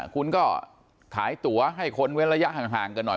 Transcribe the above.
คุณก็ขายตัวให้คนเว้นระยะห่างกันหน่อย